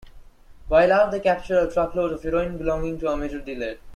While out, they capture a truckload of heroin belonging to a major dealer.